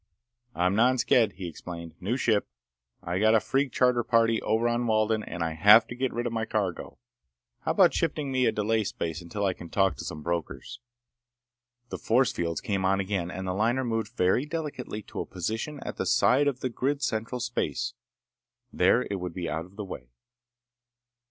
"I'm non sked," he explained. "New ship. I got a freak charter party over on Walden and I have to get rid of my cargo. How about shifting me to a delay space until I can talk to some brokers?" The force fields came on again and the liner moved very delicately to a position at the side of the grid's central space. There it would be out of the way.